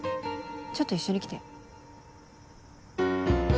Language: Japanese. ちょっと一緒に来て。